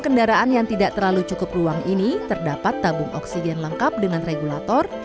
kendaraan yang tidak terlalu cukup ruang ini terdapat tabung oksigen lengkap dengan regulator